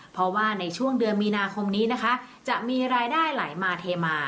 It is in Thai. เพราะว่าในช่วงเดือนมีนาคมนี้นะคะจะมีรายได้ไหลมาเทมา